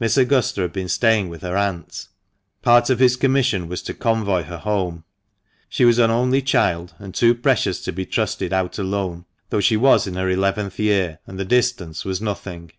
Miss Augusta had been staying with her aunt. Part of his commission was to convoy her home; she was an only child, and too precious to be trusted out alone, though she was in her eleventh year, and the distance was nothing.